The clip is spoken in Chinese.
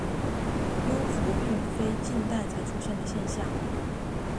幽浮并非近代才出现的现象。